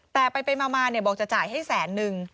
แต่ไปมาบอกจะจ่ายให้แสนนึง